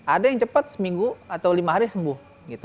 ada yang cepat seminggu atau lima hari sembuh